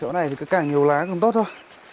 chỗ này thì cái cải nhiều lá cũng tốt thôi